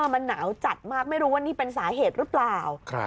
มันหนาวจัดมากไม่รู้ว่านี่เป็นสาเหตุหรือเปล่า